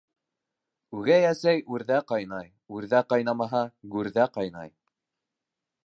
Үгәй әсә үрҙә ҡайнай, үрҙә ҡайнамаһа, гүрҙә ҡайнай.